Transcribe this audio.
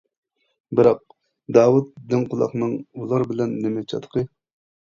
بىراق، داۋۇت دىڭ قۇلاقنىڭ ئۇلار بىلەن نېمە چاتىقى.